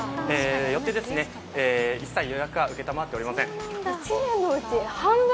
よって、一切、予約は承っておりません。